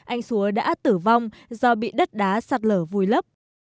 anh xúa đã tử vong do bị đất đá sạt lở vùi lấp